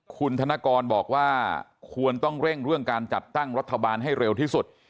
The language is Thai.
คุณธนกรบอกว่าควรต้องเร่งเรื่องการจัดตั้งรัฐบาลให้เร็วที่สุด